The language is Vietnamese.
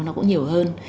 nó cũng nhiều hơn